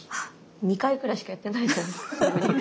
２回くらいしかやってないですよね。